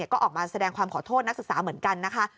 ก็ออกมาแสดงความขอโทษนักศึกษาเหมือนกันนะคะ